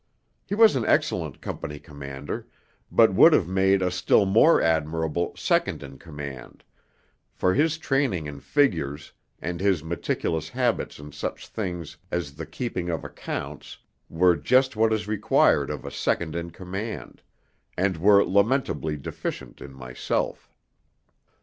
He was an excellent company commander, but would have made a still more admirable second in command, for his training in figures and his meticulous habits in such things as the keeping of accounts were just what is required of a second in command, and were lamentably deficient in myself.